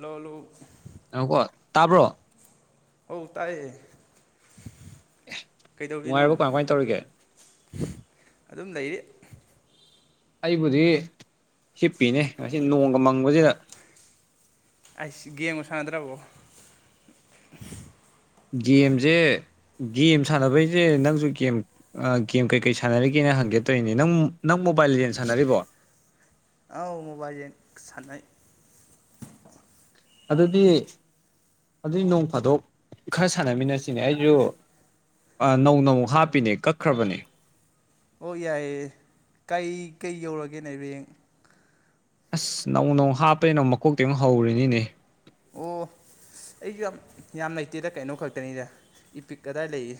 ꯂꯣꯂꯨ ꯉꯥꯏꯈꫭꯀꯣ ꯇꯥꯕ꯭ꯔꯣ ꯑꯧ ꯇꯥꯏꯌꯦ ꯀꯩꯗꯧꯔꯤꯅꯣ ꯅꯨꯡꯉꯥꯏꯔꯤꯕꯣ ꯀꯃꯥꯏ ꯀꯃꯥꯏ ꯇꯧꯔꯤꯒꯦ ꯑꯗꯨꯝ ꯂꯩꯋꯦ ꯑꯩꯕꯨꯗꯤ ꯍꯤꯞꯄꯤꯅꯦ ꯉꯁꯤ ꯅꯣꯡꯒ ꯃꯪꯕꯁꯤꯗ ꯑꯁ ꯒꯦꯝꯒ ꯁꯥꯟꯅꯗ꯭ꯔꯕꯣ ꯒꯦꯝꯖꯦ ꯒꯦꯝ ꯁꯥꯟꯅꯕꯩꯖꯦ ꯅꯪꯁꯨ ꯒꯦꯝ ꯒꯦꯝ ꯀꯩꯀꯩ ꯁꯥꯟꯅꯔꯤꯒꯦꯅ ꯍꯪꯒꯦ ꯇꯧꯔꯤꯅꯦ ꯅꯪ ꯅꯪ ꯃꯣꯕꯥꯏꯜ ꯂꯤꯖꯦꯟ ꯁꯥꯟꯅꯔꯤꯕꯣ ꯑꯥꯎ ꯃꯣꯕꯥꯏꯜꯖ ꯂꯤꯖꯦꯟ ꯁꯥꯟꯅꯩ ꯑꯗꯨꯗꯤ ꯑꯗꯨꯏ ꯅꯣꯡ ꯐꯥꯗꯣꯛ ꯈꯔ ꯁꯥꯟꯅꯃꯤꯟꯅꯁꯤꯅꯦ ꯑꯩꯖꯨ ꯑ ꯅꯧꯅꯃꯨꯛ ꯍꯥꯞꯄꯤꯅꯦ ꯀꯛꯈ꯭ꯔꯕꯅꯦ ꯑꯣ ꯌꯥꯏꯌꯦ ꯀꯩ ꯀꯩ ꯌꯧꯔꯒꯦꯅꯦ ꯔꯦꯡ ꯑꯁ ꯅꯧꯅ ꯑꯃꯨꯛ ꯍꯥꯞꯄꯩ ꯃꯀꯣꯛꯇꯒꯤ ꯑꯃꯨꯛ ꯍꯧꯔꯤꯅꯤꯅꯦ ꯑꯣ ꯑꯩꯁꯨ ꯌꯥꯝ ꯌꯥꯝ ꯂꯩꯇꯦꯗ ꯀꯩꯅꯣ ꯈꯛꯇꯅꯤꯗ ꯏ ꯄꯤꯛ ꯑꯗꯥꯏ ꯂꯩꯌꯦ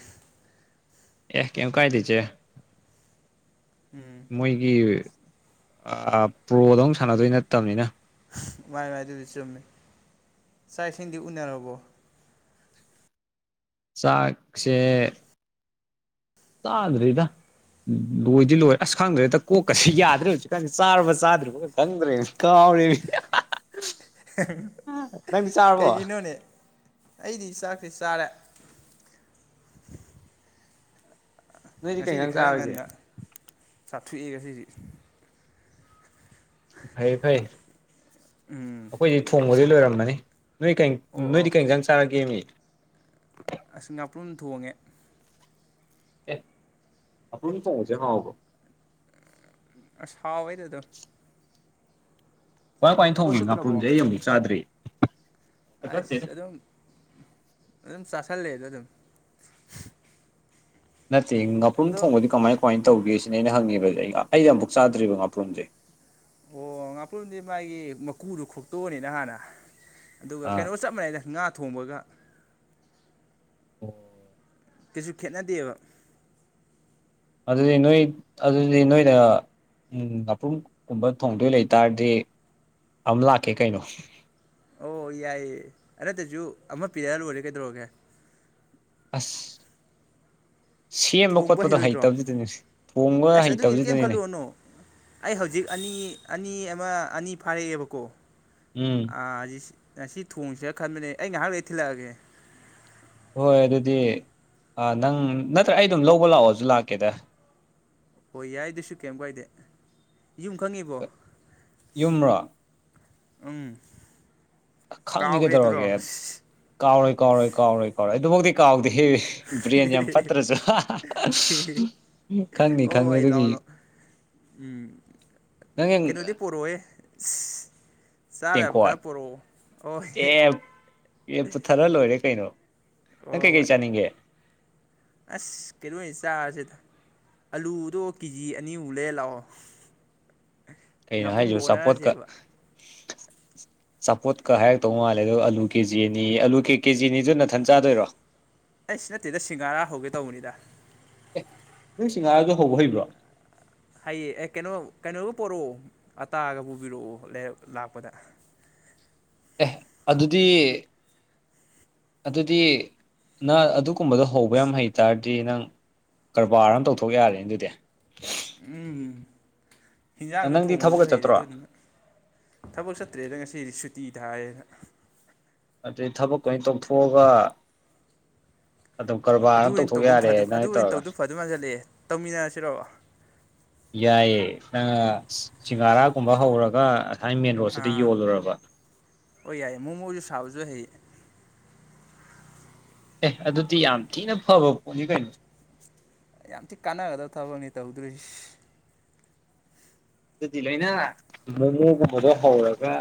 ꯑꯦ ꯀꯩꯝ ꯀꯥꯏꯗꯦꯁꯦ ꯎꯝ ꯃꯣꯏꯒꯤ ꯑ ꯄ꯭ꯔꯣꯗꯧꯅ ꯁꯥꯟꯅꯗꯣꯏ ꯅꯠꯇꯕꯅꯤꯅ ꯃꯥꯅꯤ‌ꯃꯥꯅꯤ ꯑꯗꯨꯕꯨꯗꯤ ꯆꯨꯝꯃꯦ ꯆꯥꯛ ꯏꯁꯤꯡꯗꯤ ꯎꯅꯔꯕꯣ ꯆꯥꯛꯁꯦ ꯆꯥꯗ꯭ꯔꯤꯗ ꯎꯝ ꯂꯣꯏꯗꯤ ꯂꯣꯏꯔ ꯑꯁ ꯈꯪꯗꯔꯦꯗ ꯀꯣꯛꯀꯁꯤ ꯌꯥꯗ꯭ꯔꯦ ꯍꯧꯖꯤꯛꯀꯥꯟꯁꯤ ꯆꯥꯔꯕ ꯆꯥꯗ꯭ꯔꯤꯕ ꯈꯪꯗꯔꯦ ꯀꯥꯎꯋꯦ ꯆꯥꯔꯕꯣ ꯀꯩꯒꯤꯅꯣꯅꯦ ꯑꯩꯗꯤ ꯆꯥꯛꯁꯦ ꯆꯥꯔꯦ ꯅꯣꯏꯗꯤ ꯀꯩ ꯉꯁꯤꯗꯤ ꯏꯟꯖꯥꯡ ꯈꯔ ꯆꯥꯔꯒꯦ ꯉꯟꯅ ꯆꯥꯊꯣꯛꯑꯦ ꯉꯁꯤꯗꯤ ꯐꯩ ꯐꯩ ꯎꯝ ꯑꯩꯈꯣꯏ ꯊꯣꯡꯕꯗꯤ ꯂꯣꯏꯔꯝꯃꯅꯤ ꯅꯣꯏ ꯀꯩ ꯑꯣ ꯑꯣ ꯅꯣꯏꯗꯤ ꯀꯩ ꯏꯟꯁꯥꯡ ꯆꯥꯔꯒꯦꯃꯤ ꯑꯁ ꯉꯥꯄ꯭ꯔꯨꯝ ꯊꯣꯡꯉꯦ ꯑꯦ ꯉꯥꯄ꯭ꯔꯨꯝ ꯊꫭꯡꯕꯖꯦ ꯍꯥꯎꯕꯌꫭ ꯑꯁ ꯍꯥꯎꯋꯤꯗ ꯑꯗꯨꯝ ꯀꯃꯥꯏ ꯀꯃꯥꯏꯅ ꯊꯕꯛ ꯊꯣꯡꯒꯦ ꯆꯠꯇ꯭ꯔꯕꯣ ꯉꯥꯄ꯭ꯔꯨꯝꯁꯦ ꯑꯩ ꯑꯃꯨꯛ ꯆꯥꯗ꯭ꯔꯤ ꯅꯠꯇꯦꯗ ꯑꯩꯁ ꯑꯗꯨꯝ ꯑꯗꯨꯝ ꯆꯥꯁꯜꯂꯦꯗ ꯑꯗꯨꯝ ꯅꯠꯇꯦ ꯉꯥꯄ꯭ꯔꯨꯝ ꯑꯗꯣ ꯊꯣꯡꯕꯗꯤ ꯀꯃꯥꯏ ꯀꯃꯥꯏꯅ ꯇꯧꯒꯦ ꯁꯤꯅꯤ ꯑꯩꯅ ꯍꯪꯉꯤꯕꯁꯦ ꯑꯩ ꯑꯩꯩꯅ ꯑꯃꯨꯛ ꯆꯥꯗ꯭ꯔꯤꯕ ꯉꯥ꯭ꯄꯔꯨꯝꯖꯦ ꯑꯣ ꯉꯥꯄꯨ꯭ꯔꯝꯗꯤ ꯃꯥꯒꯤ ꯃꯀꯨꯗꫭ ꯈꫭꯛꯇꫭꯛ ꯑꯅꯤꯅ ꯍꯥꯟꯅ ꯑꯗꯨꯒ ꯑꯥ ꯀꯩꯅꯣꯒ ꯆꯞ ꯃꯥꯟꯅꯩꯗ ꯉꯥ ꯊꯣꯡꯕꯒ ꯑꯣ ꯀꯩꯁꯨ ꯈꯦꯠꯅꯗꯦꯕ ꯑꯗꯨꯗꯤ ꯅꯣꯏ ꯑꯗꯨꯗꯤ ꯅꯣꯏꯗ ꯎꯝ ꯂꯄ꯭ꯔꯒꯨꯝꯕ ꯊꯣꯡꯗꯣꯏ ꯂꯩꯇꯥꯥꯔꯗꯤ ꯑꯝ ꯂꯥꯛꯀꯦ ꯀꯩꯅꯣ ꯑꯣ ꯌꯥꯏꯌꯦ ꯍꯗꯗꯁꯨ ꯑꯃ ꯄꯤꯔꯛꯑ ꯂꯣꯏꯔꯦ ꯀꯩꯗꯧꯔꯒꯦ ꯑꯁ ꯁꯦꯝꯕ ꯊꯣꯡꯕ ꯈꯣꯠꯄꯗꯣ ꯍꯩꯔꯣꯏꯗ꯭ꯔꯣ ꯍꯩꯇꯕꯁꯤꯗꯅꯦ ꯊꯣꯡꯕ ꯑꯁ ꯑꯗꯨꯒꯤꯗꯤ ꯀꯩꯝ ꯍꯩꯇꯕꯁꯤꯗꯅꯤꯅꯦ ꯈꯜꯂꯨꯔꯅꯨ ꯑꯩ ꯍꯧꯖꯤꯛ ꯑꯅꯤ ꯑꯅꯤ ꯑꯃ ꯑꯅꯤ ꯐꯥꯔꯛꯑꯦꯕꯀꯣ ꯎꯝ ꯥ ꯑꯁꯤ ꯁꯤ ꯊꯣꯡꯁꯤꯔ ꯈꯟꯕꯅꯦ ꯑꯩ ꯉꯥꯏꯍꯥꯛ ꯂꯩ ꯊꯤꯜꯂꯛꯑꯒꯦ ꯍꯣꯏ ꯑꯗꯨꯗꯤ ꯅꯪ ꯅꯠꯇ꯭ꯔ ꯑꯩ ꯑꯗꯨꯝ ꯂꯧꯕ ꯂꯥꯛꯑꯣꯁꯨ ꯂꯥꯛꯀꯦꯗ ꯍꯣꯏ ꯌꯥꯏ ꯑꯗꯨꯁꯨ ꯀꯩꯝ ꯀꯥꯏꯗꯦ ꯌꯨꯝ ꯈꯪꯉꯤꯕꯣ ꯌꯨꯝꯔꯣ ꯎꯝ ꯈꯪꯅꯤ ꯀꯥꯎꯈ꯭ꯔꯦ ꯀꯩꯗꯧꯔꯒꯦ ꯑꯗꯨꯔꯣꯁ ꯀꯥꯎꯔꯣꯏ ꯀꯥꯎꯧꯔꯣꯏ ꯀꯥꯎꯔꯣꯏ ꯀꯥꯎꯔꯣꯏ ꯑꯗꯨꯕꯨ ꯀꯥꯎꯗ ꯍꯦ ꯕꯤꯔꯌꯥꯅꯤ ꯌꯥꯝ ꯐꯠꯇ꯭ꯔꯁꯨ ꯈꯪꯅꯤ ꯑꯣ ꯈꯪꯅꯤ ꯍꯣꯏ ꯑꯗꯨꯒꯤ ꯂꯥꯛꯑꯣ ꯂꯥꯛꯑꯣ ꯎꯝ ꯅꯪ ꯀꯩꯅꯣꯗꯤ ꯄꯣꯔꯛꯦ ꯇꯦꯡꯀꯣꯋꯥꯠ ꯑꯦ ꯑꯦ ꯄꯨꯊꯔ ꯂꯣꯏꯔꯦ ꯀꯩꯅꯣ ꯅꯪ ꯍꯣꯏ ꯀꯩ ꯀꯩ ꯍꯣꯏ ꯆꯅꯤꯡꯦ ꯑꯁ ꯀꯩꯅꯗꯣꯅꯤ ꯆꯥꯔꯁꯤꯗ ꯑꯂꯨꯗꯣ ꯀꯦ ꯖꯤ ꯑꯅꯤꯃꯨꯛ ꯂꯩꯔ ꯂꯥꯛꯑꯣ ꯀꯩꯅꯣ ꯉꯥꯄꯨ꯭ꯔꯝꯒ ꯍꯥꯏꯁꯤꯕꯨ ꯆꯥꯄꯣꯠꯀ ꯑꯣꯟꯅꯔꯁꯦꯕ [unintelligible] ꯆꯆꯥꯄꯣꯠꯀ ꯍꯥꯏꯔꯛꯇꯧ ꯃꯥꯜꯂꯦ ꯑꯗ ꯑꯂꯨ ꯀꯦꯖꯤꯅꯤ ꯑꯂ ꯀꯦ ꯀꯦ ꯖꯤꯅꯤꯗꯨ ꯅꯥꯊꯟ ꯆꯥꯗꯣꯏꯔꯣ ꯑꯩ ꯁꯤ ꯅꯠꯇꯦꯗ ꯁꯤꯡꯒꯥꯔꯥ ꯍꯧꯒꯦ ꯇꯧꯕꯅꯤꯗ ꯑꯦ ꯅꯪꯁꯤꯡꯉꯛꯑꯒ ꯍꯧꯕ ꯍꯩꯕ꯭ꯔꯣ ꯍꯌꯦ ꯑꯦ ꯀꯩꯅꯣ ꯀꯩꯅꯣꯕꯨ ꯄꯔꯛꯑꯣ ꯑꯇꯥꯑꯒ ꯄꯨꯕꯤꯔꯛꯑꯣ ꯂꯥꯛꯄꯗ ꯑꯦ ꯑꯗꯨꯗꯤ ꯑꯗꯨꯗꯤ ꯅ ꯑꯗꯨ ꯀꯨꯝꯕꯗꯣ ꯍꯧꯕ ꯌꯥꯝ ꯍꯩꯇꯥꯥꯔꯗꯤ ꯅꯪ ꯀꯔꯕꯥꯔ ꯑꯃ ꯇꯧꯊꯣꯛ ꯌꯥꯔꯦꯅꯦ ꯑꯗꯨꯗꯤ ꯎꯝ ꯍꯤꯟꯖꯥꯡꯁꯨ ꯅꯪꯗꯤ ꯊꯕꯛꯀ ꯊꯣꯡꯕꯁꯨ ꯍꯩꯔꯦ ꯆꯠꯇ꯭ꯔꯣ ꯑꯗꯨꯗꯨꯅ ꯊꯕꯛ ꯆꯠꯇ꯭ꯔꯦꯗ ꯉꯁꯤꯗꯤ ꯁꯨꯇꯤꯗ ꯍꯥꯏꯔꯌꯦꯅ ꯑꯗꯩ ꯊꯕꯛ ꯀ ꯑꯣꯏꯅ ꯇꯧꯊꯣꯛꯑꯒ ꯑꯗꯨꯝ ꯀꯔꯕꯥꯔ ꯑꯗꯨ ꯑꯃ ꯑꯣꯏꯅ ꯇꯧꯊꯣꯛ ꯇꯧꯕ ꯐ ꯌꯥꯔꯦ ꯅꯪ ꯑꯗꯨ ꯑꯣꯏꯅ ꯇꯧꯔꯒ ꯇꯧꯗꯨ ꯐ ꯑꯗꯨ ꯃꯟꯖꯜꯂꯛꯑꯦ ꯇꯧꯃꯤꯟꯅꯔꯁꯤꯔꯛꯑꯣ ꯌꯥꯏꯌꯦ [unintelligible] ꯁꯤꯡꯍꯥꯔꯥꯒꯨꯝꯕ ꯍꯧꯔꯒ ꯑꯁꯥꯏ ꯃꯦꯟ ꯔꯣꯗꯁꯤꯗ ꯑꯥ ꯌꯣꯜꯂꯨꯔꯕ ꯍꯣꯏ ꯌꯥꯏꯌꯦ ꯃꯣꯃꯣꯁꯨ ꯁꯥꯕꯁꯨ ꯍꯌꯦ ꯑꯦ ꯑꯗꯨꯗꯤ ꯌꯥꯝ ꯊꯤꯅ ꯐꯕ ꯄꯣꯠꯅꯤ ꯀꯩꯅꯣ ꯌꯥꯝ ꯊꯤ ꯀꯥꯟꯅꯒꯗꯕ ꯊꯕꯛꯅꯤ ꯇꯧꯗꯣꯔꯤꯁꯤ ꯑꯗꯨꯗꯤ ꯂꯅ ꯅꯪꯗ ꯍꯧꯔꯒ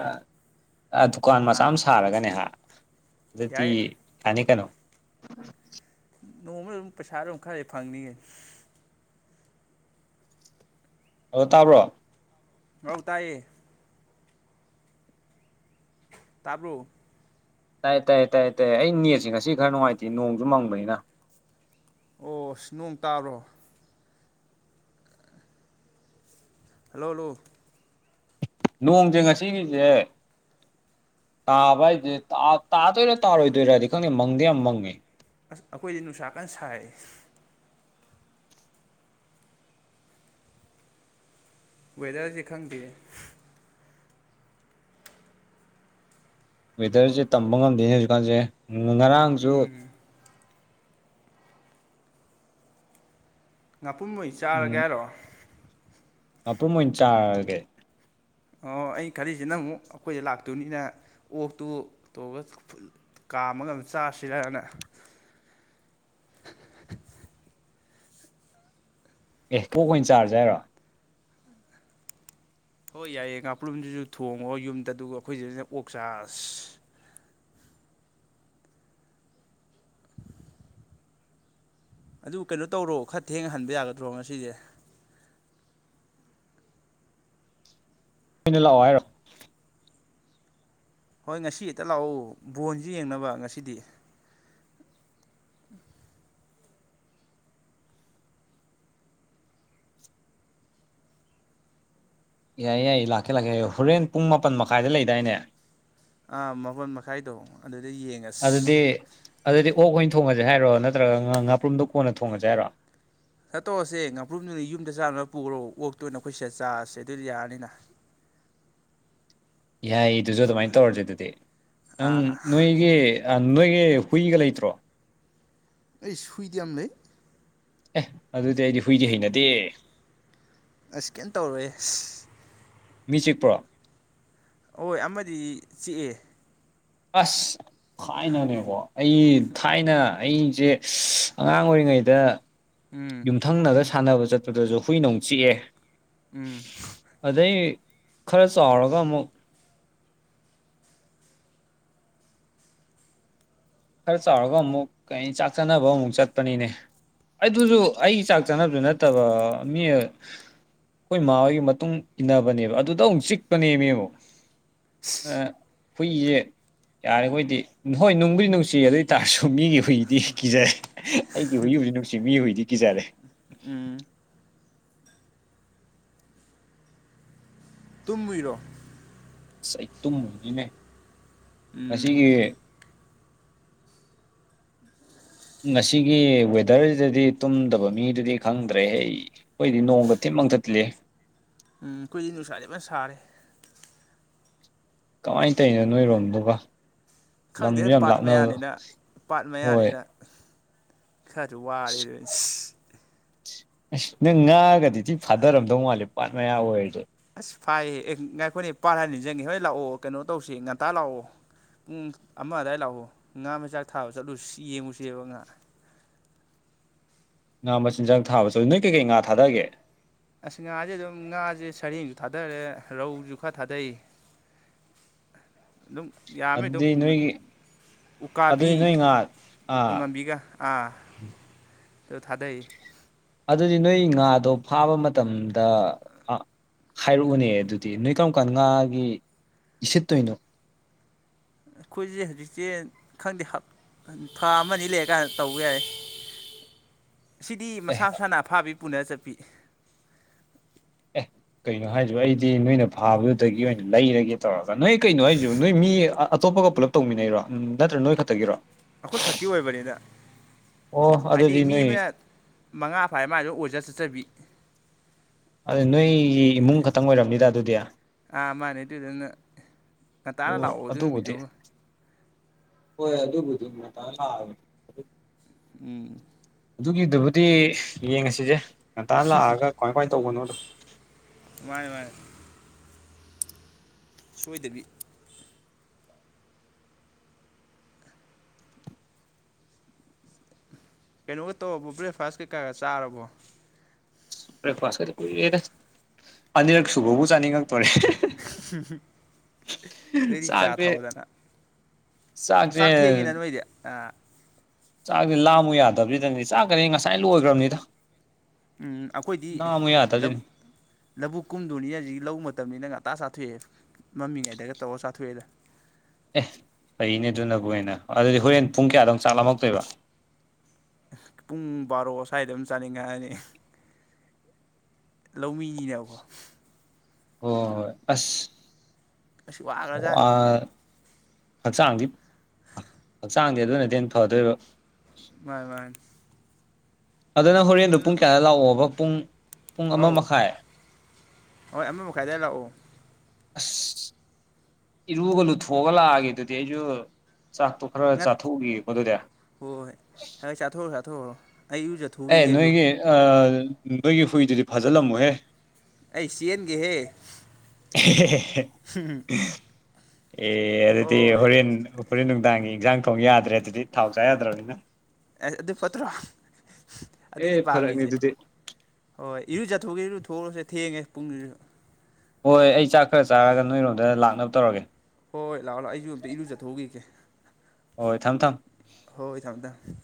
ꯑ ꯗꯨꯀꯥꯟ ꯃꯆꯥ ꯑꯃ ꯑꯥ ꯁꯥꯔꯒꯅꯦ ꯑꯗꯨꯗꯤ ꯌꯥꯏ ꯌꯥꯅꯤ ꯀꯩꯅꯣ ꯅꯣꯡꯃꯗ ꯑꯗꯨꯝ ꯄꯩꯁꯥꯗ ꯑꯗꯨꯝ ꯈꯔꯗꯤ ꯐꯪꯅꯤꯉꯦ ꯑꯗꯣ ꯇꯥꯕ꯭ꯔꯣ ꯉꯧ ꯇꯥꯏꯌꯦ ꯇꯥꯕꯣ ꯇꯥꯏꯌꯦ ꯇꯥꯏꯌꯦ ꯇꯥꯏꯦ ꯇꯥꯏꯌꯦꯦ ꯑꯩ ꯅꯦꯠꯁꯦ ꯉꯁꯤ ꯈꯔ ꯅꯨꯡꯉꯥꯏꯇꯦ ꯅꯣꯡꯁꯨ ꯃꯪꯕꯅꯤꯅ ꯑꯣ ꯁꯤ ꯅꯣꯡ ꯇꯥꯕꯔꯣ ꯍꯜꯂꯣꯜꯂꯣ ꯅꯣꯡꯁꯦ ꯉꯁꯤꯒꯤꯁꯦ ꯇꯥꯕ ꯍꯥꯏꯗꯨꯗꯤ ꯇꯥꯗꯣꯏꯔꯥ ꯇꯥꯔꯣꯏꯗꯣꯏꯔꯗꯤ ꯈꯪꯗꯦ ꯃꯪꯗꯤ ꯌꯥꯝ ꯃꯪꯉꯦ ꯑꯁ ꯑꯩꯈꯣꯏꯗꯤ ꯅꯨꯡꯁꯥ ꯀꯟꯅ ꯁꯥꯏ ꯋꯦꯗꯔꯁꯦ ꯈꯪꯗꯦ ꯋꯦꯗꯔꯁꯦ ꯇꯝꯕ ꯉꯝꯗꯦꯅꯦ ꯍꯧꯖꯤꯛꯀꯥꯟꯁꯦ ꯉꯔꯥꯡꯁꯨ ꯎꯝ ꯉꯥꯄꯨꯝꯍꯩ ꯆꯥꯔꯒ ꯍꯥꯏꯔꯣ ꯃꯄꯨꯝ ꯑꯣꯏꯅ ꯆꯥꯔꯒꯦ ꯑꯣ ꯑꯩ ꯈꯜꯂꯤꯁꯤꯅ ꯑꯃꯨꯛ ꯑꯩꯈꯣꯏꯗ ꯂꯥꯛꯇꯣꯏꯅꯤꯅ ꯑꯣꯛꯇꯨ ꯇꯧꯔꯒ ꯀꯥꯝꯃꯒ ꯑꯝ ꯆꯥꯁꯤꯔꯅ ꯑꯦ ꯑꯣꯛ ꯑꯣꯏꯅ ꯆꯥꯔꯖꯦ ꯍꯥꯏꯔꯣ ꯍꯣꯏ ꯌꯥꯏꯌꯦ ꯉꯥꯄꯨꯨꯝꯗꯨꯁꯨ ꯊꯣꯡꯉꯣ ꯌꯨꯝꯗ ꯑꯗꯨꯒ ꯑꯩꯈꯣꯏꯁꯤꯗꯅ ꯑꯣꯛ ꯆꯥꯔꯁꯤ ꯑꯗꯨ ꯀꯩꯅꯣ ꯇꯧꯔꯣ ꯈꯔ ꯊꯦꯡꯅ ꯍꯟꯕ ꯌꯥꯒꯗ꯭ꯔꯣ ꯉꯁꯤꯁꯦ ꯑꯣꯏꯅ ꯂꯥꯛꯑꯣ ꯍꯥꯏꯔꯣ ꯍꯣꯏ ꯉꯁꯤ ꯍꯦꯛꯇ ꯂꯥꯛꯎ ꯕꯣꯜꯁꯨ ꯌꯦꯡꯅꯕ ꯉꯁꯤꯗꯤ [unintelligible] ꯌꯥꯏꯌꯦ ꯌꯥꯏ ꯂꯥꯛꯀꯦ ꯂꯥꯛꯀꯦ ꯌꯥꯏ ꯍꯣꯔꯦꯟ ꯄꯨꯡ ꯃꯥꯄꯟ ꯃꯈꯥꯏꯗ ꯂꯩꯗꯥꯏꯅꯦ ꯑꯥ ꯃꯥꯄꯟ ꯃꯈꯥꯏꯗꯣ ꯑꯗꯨꯗ ꯌꯦꯡꯉ ꯑꯗꯨꯗꯤ ꯑꯗꯨꯗꯤ ꯑꯣꯛ ꯑꯣꯏꯅ ꯊꯣꯡꯉꯁꯦ ꯍꯥꯏꯔꯣ ꯅꯠꯇ꯭ꯔꯒ ꯉꯥ ꯉꯥꯄ꯭ꯔꯨꯝꯗꯣ ꯀꯣꯟꯅ ꯊꯣꯡꯉꯁꯦ ꯍꯥꯏꯔꯣ [unintelligible] ꯇꯧꯁꯦ ꯉꯥꯄ꯭ꯔꯨꯝꯗꯨꯗ ꯌꯨꯝꯗ ꯆꯥꯅꯕꯅꯕ ꯄꯨꯈ꯭ꯔꯣ ꯑꯣꯛꯇꯣꯏꯅ ꯑꯩꯈꯣꯏ ꯁꯤꯗ ꯆꯥꯔꯁꯦ ꯑꯗꯨꯗꯤ ꯌꯥꯔꯅꯤꯅ ꯌꯥꯏꯌꯦ ꯑꯗꯨꯁꯨ ꯑꯗꯨꯃꯥꯏꯅ ꯇꯧꯔꯁꯦ ꯑꯗꯨꯗꯤ ꯅꯪ ꯑꯥ ꯅꯣꯏꯒꯤ ꯅꯣꯏꯒꯤ ꯍꯨꯏꯒ ꯂꯩꯇ꯭ꯔꯣ ꯑꯩꯁ ꯍꯨꯏꯗꯤ ꯌꯥꯝ ꯂꯩ ꯑꯦ ꯑꯗꯨꯗꯤ ꯑꯩꯗꯤ ꯍꯨꯏꯗꯤ ꯍꯩꯅꯗꯦꯍꯦ ꯏꯁ ꯀꯧꯝ ꯇꯧꯔꯣꯏꯍꯦ ꯃꯤ ꯆꯤꯛꯄ꯭ꯔꯣ ꯍꯣꯏ ꯑꯃꯗꯤ ꯆꯤꯛꯑꯦ ꯑꯁ ꯊꯥꯏꯅꯅꯦꯀꯣ ꯑꯩ ꯊꯥꯏꯅ ꯑꯩꯁꯦ ꯑꯉꯥꯡ ꯑꯣꯏꯔꯤꯉꯩꯗ ꯎꯝ ꯌꯨꯝꯊꯪꯅꯕꯗ ꯁꯥꯟꯅꯕ ꯆꯠꯄꯗꯁꯨ ꯍꯨꯏꯅ ꯑꯃꯨꯛ ꯆꯤꯛꯑꯦ ꯎꯝ ꯑꯗꯩ ꯈꯔ ꯆꯥꯎꯔꯒ ꯑꯃꯨꯛ ꯈꯔ ꯆꯥꯎꯔꯒ ꯑꯃꯨꯛ ꯀꯩ ꯆꯥꯛ ꯆꯥꯅꯕ ꯑꯃꯨꯛ ꯆꯠꯄꯅꯤꯅꯦ ꯑꯗꯨꯁꯨ ꯑꯩ ꯆꯥꯛ ꯆꯥꯅꯕꯗꯨ ꯅꯠꯇꯕ ꯃꯤ ꯑꯩꯈꯣꯏ ꯃꯥꯥꯍꯣꯏꯒꯤ ꯃꯇꯨꯡ ꯏꯟꯅꯕꯅꯦꯕ ꯑꯗꯨꯗ ꯑꯃꯨꯛ ꯆꯤꯛꯄꯅꯦꯕ ꯑꯃꯨꯛ ꯍꯨꯏꯁꯦ ꯌꯥꯔꯤ ꯈꯣꯏꯗꯤ ꯍꯣꯏ ꯅꯨꯡꯕꯨꯗꯤ ꯅꯨꯡꯁꯤ ꯑꯗꯨ ꯑꯣꯏꯇꯥꯥꯔꯁꯨ ꯃꯤꯒꯤ ꯍꯨꯏꯗꯤ ꯀꯤꯖꯔꯦ ꯑꯩꯒꯤ ꯍꯨꯏꯕꯨꯗꯤ ꯅꯨꯡꯁꯤ ꯃꯤ ꯍꯨꯏꯗꯤ ꯀꯤꯖꯔꯦ ꯎꯝ ꯇꯨꯝꯃꯨꯏꯔꯣ ꯑꯂ ꯑꯩ ꯇꯨꯝꯃꯨꯏꯅꯤꯅꯦ ꯎꯝ ꯉꯁꯤꯒꯤ ꯉꯁꯤꯒꯤ ꯋꯦꯗꯔꯁꯤꯗꯗꯤ ꯇꯨꯝꯗꯕ ꯃꯤꯗꯨꯗꯤ ꯈꯪꯗ꯭ꯔꯦꯍꯦ ꯑꯩꯈꯣꯏꯗꯤ ꯅꯣꯡꯃꯒ ꯊꯤꯅ ꯃꯪꯊꯠꯂꯤꯍꯦ ꯎꯝ ꯑꯩꯈꯣꯏꯗꯤ ꯅꯨꯡꯁꯥꯗꯤ ꯐꯖꯅ ꯁꯥꯔꯦ ꯀꯃꯥꯏꯅ ꯇꯧꯔꯤꯅꯣ ꯅꯣꯏꯔꯣꯝꯗꯨꯒ ꯂꯝꯁꯨ ꯈꯪꯗꯦ ꯌꯥꯝ ꯄꯥꯠ ꯂꯥꯞꯅꯕ ꯃꯌꯥꯅꯤꯅ ꯄꯥꯠ ꯍꯣꯏ ꯃꯌꯥꯅꯤꯅ ꯈꯔꯁꯨ ꯋꯥꯔꯦ ꯑꯁ ꯗꯨꯅꯤ ꯑꯁ ꯅꯪ ꯉꯥꯒꯗꯤ ꯊꯤ ꯐꯥꯗꯔꯝꯗꯧ ꯃꯥꯜꯂꯦ ꯄꯥꯠ ꯃꯌꯥ ꯑꯣꯏꯔꯁꯨ ꯑꯁ ꯐꯥꯏꯌꯦ ꯑꯦ ꯉꯥꯏꯈꯣꯏꯅꯦ ꯄꯥꯠ ꯍꯥꯏꯔꯒ ꯅꯤꯡꯖꯪꯒꯦ ꯍꯣꯏ ꯂꯥꯛꯑꯣ ꯀꯩꯅꯣ ꯇꯧꯁꯤ ꯉꯟꯇꯥ ꯂꯥꯛꯑꯣ ꯄꯨꯡ ꯑꯃ ꯑꯗꯥꯏ ꯂꯥꯛꯑꯣ ꯉꯥ ꯃꯆꯥꯛ ꯊꯥꯕ ꯆꯠꯂꯨꯁꯤ ꯁꯤ ꯌꯦꯡꯉꯨꯁꯦꯕ ꯉꯥ ꯉꯥ ꯃꯆꯤꯟꯖꯥꯛ ꯊꯥꯕ ꯆꯠ ꯅꯣꯏ ꯀꯩꯀꯩ ꯉꯥ ꯊꯥꯗꯒꯦ ꯑꯁ ꯉꯥꯁꯦ ꯑꯗꯨꯝ ꯉꯥꯁꯦ ꯁꯔꯦꯡꯁꯨ ꯊꯥꯗꯔꯦ ꯔꯧꯁꯨ ꯈꯔ ꯊꯥꯗꯩ [inaudible] ꯑꯗꯨꯝ ꯌꯥꯝꯃꯦ ꯑꯗꯨꯝ ꯑꯗꯨꯗꯤ ꯅꯣꯏꯒꯤ ꯎꯀꯥꯕꯤ ꯑꯗꯨꯗꯤ ꯅꯣꯏ ꯉꯥ ꯑꯥ ꯇꯨꯡꯍꯟꯕꯤꯒ ꯑꯥ ꯇꯣ ꯊꯥꯗꯩ ꯑꯗꯨꯗꯤ ꯅꯣꯏ ꯉꯥꯗꯣ ꯐꯥꯕ ꯃꯇꯝꯗ ꯍꯥꯏꯔꯛꯎꯅꯦ ꯑꯗꯨꯗꯤ ꯅꯣꯏ ꯀꯔꯝ ꯀꯥꯟ ꯉꯥꯒꯤ ꯏꯁꯤꯠꯇꯣꯏꯅꯣ ꯑꯩꯈꯣꯏꯁꯦ ꯍꯧꯖꯤꯛꯁꯦ ꯈꯪꯗꯦ ꯊꯥ ꯑꯃ ꯑꯅꯤ ꯂꯩꯔꯀꯥꯟꯗ ꯇꯧꯕ ꯌꯥꯏ [unintelligible] [unintelligible] ꯁꯤꯗꯤ ꯑꯦ ꯃꯁꯥ ꯃꯁꯥꯅ ꯑꯐꯥꯕꯤ ꯄꯨꯅ ꯆꯠꯄꯤ ꯑꯦ ꯀꯩꯅꯣ ꯍꯥꯏꯁꯤꯕꯣ ꯑꯩꯗꯤ ꯅꯣꯏꯅ ꯐꯥꯕꯗꯨꯗꯒꯤ ꯑꯣꯏꯅ ꯂꯩꯔꯒꯦ ꯇꯧꯔꯒ ꯅꯣꯏ ꯀꯩꯅꯣ ꯍꯥꯏꯁꯨ ꯅꯣꯏ ꯃꯤ ꯑꯇꯣꯞꯄꯒ ꯄꯨꯜꯂꯞ ꯇꯧꯃꯤꯟꯅꯩꯔꯣ ꯎꯝ ꯅꯠꯇ꯭ꯔꯥ ꯅꯣꯏ ꯈꯛꯇꯒꯤꯔꯣ ꯑꯩꯈꯣꯏ ꯈꯔꯛꯇꯤ ꯑꯣꯏꯕꯅꯤꯗ ꯑꯣ ꯍꯥꯏꯗꯤ ꯑꯗꯨꯗꯤ ꯃꯤ ꯅꯣꯏ ꯑꯃꯅ ꯃꯉꯥ ꯐꯥꯔꯦ ꯃꯥꯏꯗꯣ ꯑꯣꯏꯖ ꯆꯠꯆꯕꯤ ꯑꯗꯨ ꯅꯣꯏꯒꯤ ꯏꯃꯨꯡ ꯈꯛꯇꯪ ꯑꯣꯏꯔꯝꯅꯤꯗ ꯑꯗꯨꯗꯤ ꯑꯥ ꯃꯥꯅꯦ ꯑꯗꯨꯏꯗꯅ ꯉꯟꯇꯥꯅ ꯂꯥꯛꯑꯣ ꯑꯗꯨ ꯅꯨꯃꯤꯠꯇꯨꯃ ꯍꯣꯏ ꯑꯗꯨꯕꯨꯗꯤ ꯉꯥꯟꯇꯥ ꯂꯥꯛꯑꯒꯦ ꯎꯝ ꯑꯗꯨꯒꯤꯗꯨꯕꯨꯗꯤ ꯌꯦꯡꯉꯁꯤꯁꯦ ꯉꯟꯇꯥ ꯂꯥꯛꯑꯒ ꯀꯃꯥꯏ ꯀꯃꯥꯏ ꯇꯧꯕꯅꯣꯗꯣ ꯃꯅꯦ-ꯃꯅꯦ ꯁꯣꯏꯗꯕꯤ ꯀꯩꯅꯣꯒ ꯇꯧꯔꯕꯣ ꯕ꯭ꯔꯦꯛꯐꯥꯁ ꯀꯩꯀꯥꯒ ꯆꯥꯔꯕꯣ ꯭ꯔꯦꯛꯐꯥꯁꯀꯗꯤ ꯀꯨꯏꯔꯦꯗ ꯑꯅꯤꯔꯛ ꯁꯨꯕꯕꯨ ꯆꯥꯅꯤꯡꯉꯛꯇꯣꯔꯦ ꯍꯝ ꯍꯨꯝ [inaudible] ꯑꯗꯨꯗꯤ ꯆꯥ ꯆꯥꯛꯁꯦ ꯊꯥꯛꯑꯣꯗꯅ ꯆꯥꯛꯁꯦ ꯆꯥꯛ ꯊꯦꯡꯉꯤꯅ ꯅꯣꯏꯗꯤ ꯑ ꯆꯥꯛꯗꯤ ꯂꯥꯝꯃꯨ ꯌꯥꯗꯕꯁꯤꯗꯅꯤ ꯆꯥꯛ ꯀꯗꯤ ꯉꯁꯥꯏ ꯂꯣꯏꯈ꯭ꯔꯕꯅꯤꯗ ꯑꯝ ꯑꯩꯈꯣꯏꯗꯤ ꯂꯥꯝꯃꯨ ꯌꯥꯗꯕꯁꯤꯅꯤ ꯑꯦ ꯂꯧꯕꯨꯛ ꯀꯨꯝꯗꯕꯅꯤꯅ ꯍꯧꯖꯤꯛ ꯂꯧꯕꯨꯛ ꯃꯇꯝꯅꯤꯅ ꯉꯟꯇꯥ ꯆꯥꯊꯣꯛꯑꯦ ꯃꯃꯤꯉꯩꯗꯒ ꯇꯧꯔꯒ ꯆꯥꯊꯣꯛꯑꯦꯗꯅ ꯑꯦ ꯐꯩꯅꯦ ꯑꯗꯨꯅꯕꯨ ꯍꯦꯟꯅ ꯑꯗꯨꯗꯤ ꯍꯣꯔꯦꯟ ꯄꯨꯡ ꯀꯌꯥꯗ ꯆꯥꯛ ꯂꯝꯃꯛꯇꯣꯏꯕ ꯄꯨꯡ ꯕꯥꯔꯣ ꯁ꯭ꯋꯥꯏꯗ ꯑꯗꯨꯝ ꯆꯥꯅꯤꯡꯉꯥꯛꯑꯅꯤ ꯂꯧꯃꯤꯅꯤꯅꯒꯣ ꯍ ꯍꯣꯏ ꯑꯁ ꯑꯁ ꯑ ꯋꯥꯈ꯭ꯔꯖꯥꯠꯅꯤ ꯍꯛꯆꯥꯡꯗꯤ ꯍꯛꯆꯥꯡꯗꯤ ꯑꯗꯨꯅꯗꯤ ꯍꯦꯟꯅ ꯐꯗꯣꯏꯕ ꯃꯥꯥꯅꯦ-ꯃꯥꯥꯅꯦ ꯑꯗꯨꯅ ꯍꯣꯔꯦꯟꯗꯨ ꯄꯨꯡ ꯀꯌꯥꯗ ꯂꯥꯛꯑꯣꯕ ꯄꯨꯡ ꯄꯨꯡ ꯑꯃ ꯍꯥꯎ ꯃꯈꯥꯏ ꯍꯣꯏ ꯑꯃ ꯃꯈꯥꯏꯗꯨꯋꯥꯢ ꯂꯥꯛꯑꯣ ꯑꯁ ꯏꯔꯨꯒ ꯂꯨꯊꯣꯛꯑꯒ ꯂꯥꯛꯑꯒꯦ ꯑꯗꯨꯗꯤ ꯑꯩꯁꯨ ꯆꯥꯛꯇꯣ ꯈꯔ ꯉꯠ ꯆꯥꯊꯣꯛꯎꯈꯤꯒꯦ ꯑꯗꯨꯗꯤ ꯍꯣꯏ ꯍꯣꯏ ꯍ ꯆꯥꯊꯣꯛꯎꯔꯣ ꯆꯥꯊꯣꯛꯎꯔꯣ ꯑꯩ ꯢꯔꯨ ꯑꯦ ꯅꯣꯏꯒꯤ ꯅꯣꯏꯒꯤ ꯍꯨꯏꯗꯨꯗꯤ ꯐꯥꯖꯤꯜꯂꯝꯃꯨꯍꯦ ꯑꯩ ꯆꯦꯟꯒꯦꯍꯦ ꯍꯦ-ꯍꯦ-ꯍꯦ [inaudible] ꯑꯦ ꯑꯗꯨꯗꯤ ꯍꯣꯏ ꯍꯣꯔꯦꯟ ꯍꯣꯔꯦꯟ ꯅꯨꯡꯗꯥꯡꯒꯤ ꯏꯟꯖꯥꯡ ꯊꯣꯡ ꯌꯥꯗ꯭ꯔꯦ ꯑꯗꯨꯗꯤ ꯊꯥꯎ ꯆꯥ ꯌꯥꯗ꯭ꯔꯕꯅꯤꯅ ꯑꯦꯁ ꯑꯗꯨ ꯐꯠꯇ꯭ꯔꯣ ꯑꯦ ꯑꯗꯨꯏꯅꯤ ꯐꯔꯛꯅꯤ ꯄꯥꯝꯃꯤꯁꯦ ꯑꯗꯨꯗꯤ ꯍꯣꯏ ꯏꯔꯨ ꯆꯠꯊꯣꯛꯎꯨꯒꯦ ꯏꯔꯨꯊꯣꯛꯎꯨꯔꯣꯁꯦ ꯊꯦꯡꯉꯦ ꯄꯨꯡꯗꯨꯁꯨ ꯍꯣꯏ ꯑꯩ ꯆꯥꯛ ꯈꯔ ꯆꯥꯔꯒ ꯅꯣꯏꯔꯣꯝꯗ ꯂꯥꯛꯅꯕ ꯇꯧꯔꯒꯦ ꯍꯣꯏ ꯍꯣꯏ ꯂꯥꯛꯑꯣ ꯂꯥꯛꯑꯣ ꯑꯩꯁꯨ ꯑꯝꯇ ꯏꯔꯨꯖꯊꯣꯛꯎꯈꯤꯒꯦ ꯍꯣꯏ ꯊꯝꯃꯦ ꯊꯝ ꯍꯣꯏ ꯊꯝꯃꯣ ꯊꯝ